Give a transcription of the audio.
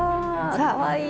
かわいい。